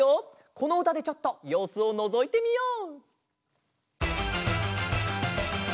このうたでちょっとようすをのぞいてみよう！